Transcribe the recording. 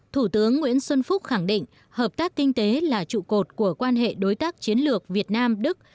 thủ tướng nguyễn xuân phúc khẳng định hợp tác kinh tế là trụ cột của quan hệ đối tác chiến lược việt nam đức